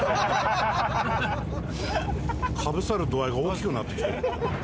かぶさる度合いが大きくなってきてる。